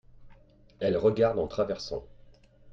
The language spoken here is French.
elle regarde en traversant.